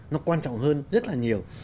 nó quan trọng hơn rất là nhiều